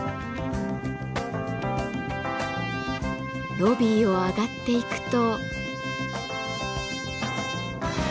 ロビーを上がっていくと。